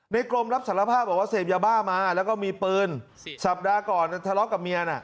กรมรับสารภาพบอกว่าเสพยาบ้ามาแล้วก็มีปืนสัปดาห์ก่อนทะเลาะกับเมียน่ะ